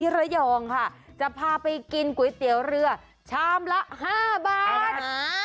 ระยองค่ะจะพาไปกินก๋วยเตี๋ยวเรือชามละ๕บาท